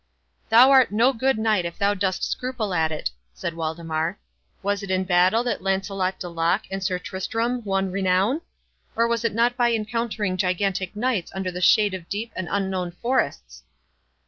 "Thou art no good knight if thou dost scruple at it," said Waldemar. "Was it in battle that Lancelot de Lac and Sir Tristram won renown? or was it not by encountering gigantic knights under the shade of deep and unknown forests?"